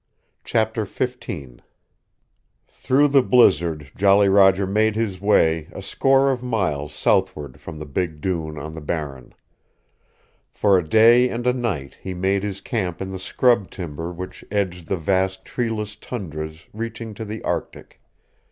CHAPTER XV Through the blizzard Jolly Roger made his way a score of miles southward from the big dune on the Barren. For a day and a night he made his camp in the scrub timber which edged the vast treeless tundras reaching to the Arctic.